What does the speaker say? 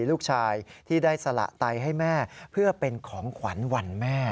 ลูกชายที่ได้สละไตให้แม่เพื่อเป็นของขวัญวันแม่